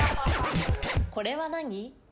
これは何？